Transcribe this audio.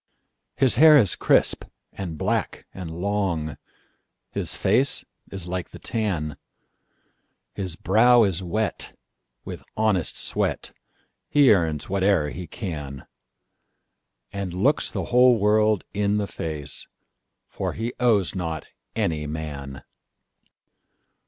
His hair is crisp, and black, and long, His face is like the tan; His brow is wet with honest sweat, He earns whate'er he can, And looks the whole world in the face, For he owes not any man.